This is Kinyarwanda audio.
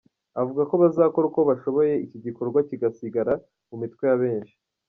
Avuga ko bazakora uko bashoboye iki gikorwa kigasigara mu mitwe ya benshi.